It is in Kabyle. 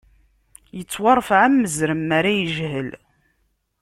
Ittuṛfeɛ am uzrem mi ara yejhel.